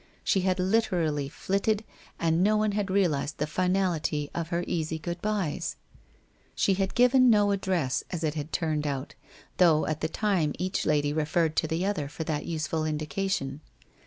She had literally flitted, and no one had realized the finality of her easy good byes. She had given no address, as it had turned out, though at the time each lady re ferred to the other for that useful indication.